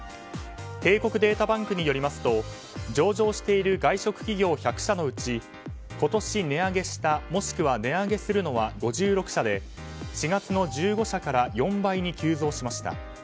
帝国データバンクによりますと上場している外食企業１００社のうち今年値上げしたもしくは値上げするのは５６社で４月の１５社から４倍に急増しました。